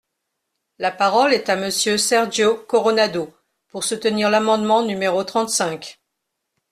La parole est à Monsieur Sergio Coronado, pour soutenir l’amendement numéro trente-cinq.